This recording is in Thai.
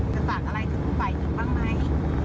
จะสั่งอะไรให้ไปถึงบ้างไหม